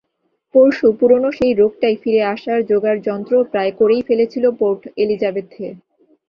পরশু পুরোনো সেই রোগটাই ফিরে আসার জোগাড়যন্ত্র প্রায় করেই ফেলেছিল পোর্ট এলিজাবেথে।